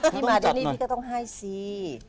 พี่มาได้นะพี่ก็ต้องให้ซี